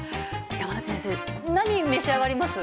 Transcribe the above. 山根先生何召し上がります？